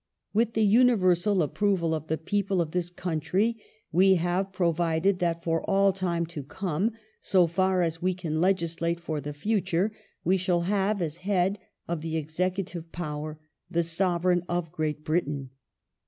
" With the universal approval of the people of this country we have provided that for all time to come, so far as we can legislate for the future, we shall have, as head of the executive power, the Sovereign of Great Britain."